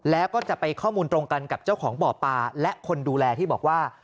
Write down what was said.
แล้วก็จะไปข้อมูลตรงกันกับเจ้าของบ่อปลาและคนดูแลที่บอกว่า